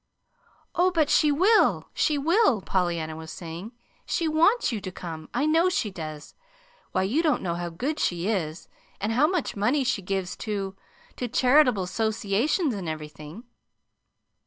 "Oh, but she will, she will," Pollyanna was saying. "She wants you to come I know she does. Why, you don't know how good she is, and how much money she gives to to charitable 'sociations and everything."